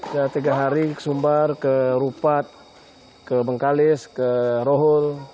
ya tiga hari ke sumbar ke rupat ke bengkalis ke rohul